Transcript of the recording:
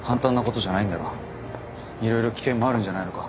いろいろ危険もあるんじゃないのか？